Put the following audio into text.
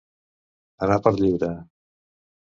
Anar per lliure.